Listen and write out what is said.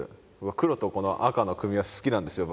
黒とこの赤の組み合わせ好きなんですよ